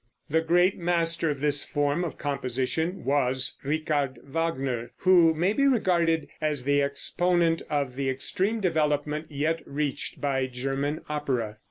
The great master of this form of composition was Richard Wagner, who may be regarded as the exponent of the extreme development yet reached by German opera.